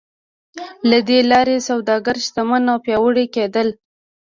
له دې لارې سوداګر شتمن او پیاوړي کېدل.